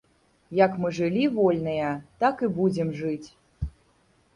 Як мы жылі вольныя, так і будзем жыць!